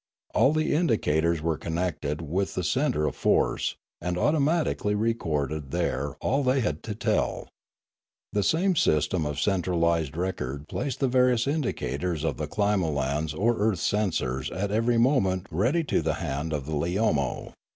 All the indicators were connected \vith the centre of force, and automatically recorded there all they had to tell. The same system of centralised record placed the various indications of the climolans or earth sensors at every moment ready to the hand of the Leorao.